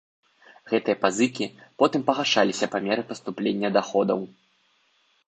Гэтыя пазыкі потым пагашаліся па меры паступлення даходаў.